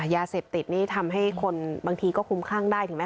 ยาเสพติดนี่ทำให้คนบางทีก็คุ้มคลั่งได้ถูกไหม